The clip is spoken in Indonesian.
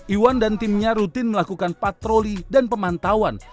iwan dan timnya rutin melakukan patroli dan pemantauan